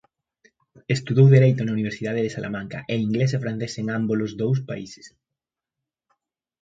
Estudou dereito na Universidade de Salamanca e inglés e francés en ámbolos dous países.